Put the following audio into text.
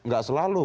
gak selalu pak